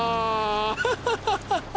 アハハハハ！